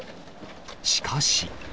しかし。